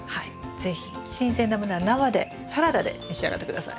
是非新鮮なものは生でサラダで召し上がって下さい。